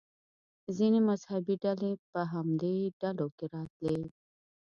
ځینې مذهبي ډلې په همدې ډلو کې راتلې.